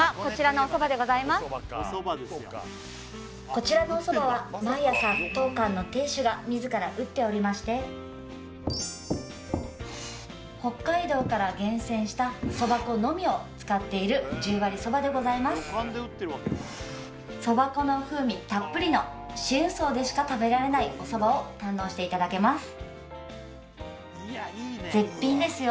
こちらのお蕎麦は毎朝当館の亭主が自ら打っておりまして北海道から厳選した蕎麦粉のみを使っている十割蕎麦でございます蕎麦粉の風味たっぷりの紫雲荘でしか食べられないお蕎麦を堪能していただけます